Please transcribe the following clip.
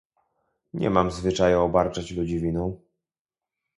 Nie mam zwyczaju obarczać ludzi winą